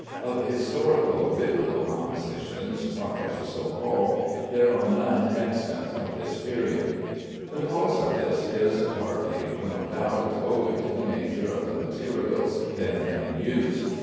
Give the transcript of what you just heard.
Of historical or Biblical compositions, properly so called, there are none extant of this period. The cause of this is partly no doubt owing to the nature of the materials then in use.